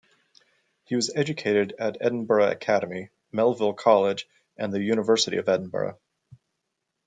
He was educated at Edinburgh Academy, Melville College and the University of Edinburgh.